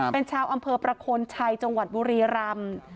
เป็นชาวอำเภอประโคนชัยจังหวัดบุรีรำ